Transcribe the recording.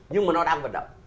nhưng mà nó đang vận động